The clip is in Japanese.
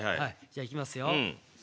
じゃいきますよ。